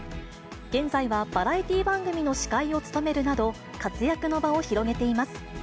現在はバラエティー番組の司会を務めるなど、活躍の場を広げています。